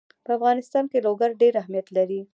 په افغانستان کې لوگر ډېر اهمیت لري.